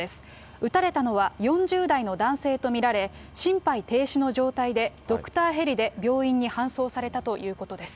撃たれたのは４０代の男性と見られ、心肺停止の状態で、ドクターヘリで病院に搬送されたということです。